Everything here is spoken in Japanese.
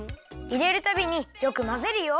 いれるたびによくまぜるよ。